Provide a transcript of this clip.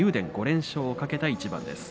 ５連勝を懸けた一番です。